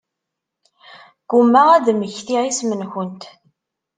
Ggummaɣ ad mmektiɣ isem-nkent.